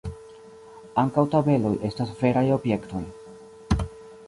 Ankaŭ tabeloj estas veraj objektoj.